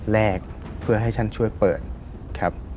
แรกเพื่อให้ท่านช่วยเปิดครับ